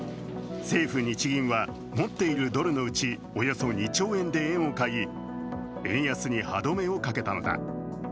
政府・日銀は持っているドルのうちおよそ２兆円で円を買い、円安に歯止めをかけたのだ。